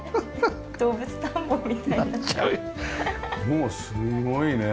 もうすごいね。